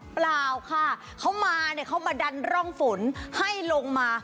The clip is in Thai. เปล่าค่ะเขามาเนี่ยเขามาดันร่องฝนให้ลงมา